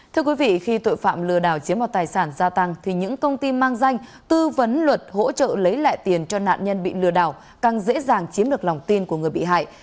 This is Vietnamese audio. thưa quý vị khi tội phạm lừa đảo chiếm vào tài sản gia tăng thì những công ty mang danh tư vấn luật hỗ trợ lấy lại tiền cho nạn nhân bị lừa đảo càng dễ dàng chiếm được lòng tin của người bị hại